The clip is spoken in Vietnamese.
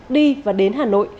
đi và đến hà nội